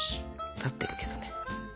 立ってるけどね。